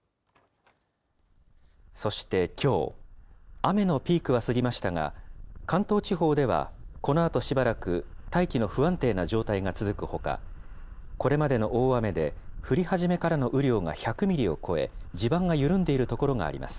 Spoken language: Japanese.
そしてきょう、雨のピークは過ぎましたが、関東地方ではこのあとしばらく、大気の不安定な状態が続くほか、これまでの大雨で降り始めからの雨量が１００ミリを超え、地盤が緩んでいる所があります。